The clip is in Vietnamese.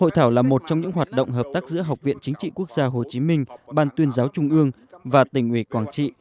hội thảo là một trong những hoạt động hợp tác giữa học viện chính trị quốc gia hồ chí minh ban tuyên giáo trung ương và tỉnh ủy quảng trị